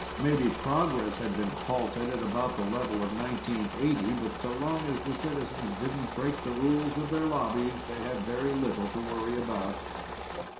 Maybe progress had been halted at about the level of 1980, but so long as the citizens didn't break the rules of their lobbies, they had very little to worry about.